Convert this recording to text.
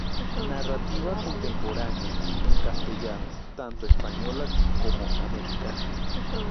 Narrativa contemporánea en castellano, tanto española como americana.